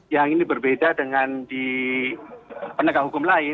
yang ini berbeda dengan di penegak hukum lain